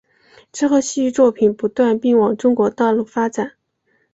之后戏剧作品不断并往中国大陆发展。